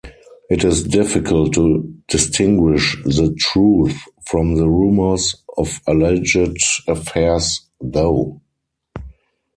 It is difficult to distinguish the truth from the rumors of alleged affairs though.